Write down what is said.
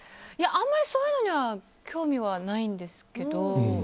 そういうのは興味はないんですけど。